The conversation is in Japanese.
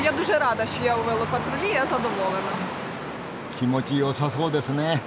気持ちよさそうですね。